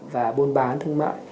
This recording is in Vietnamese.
và buôn bán thương mại